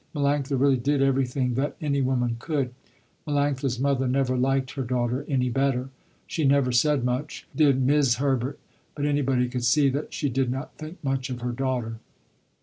Melanctha really did everything that any woman could. Melanctha's mother never liked her daughter any better. She never said much, did 'Mis' Herbert, but anybody could see that she did not think much of this daughter. Dr.